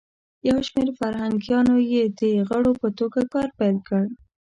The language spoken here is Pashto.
یو شمیر فرهنګیانو یی د غړو په توګه کار پیل کړ.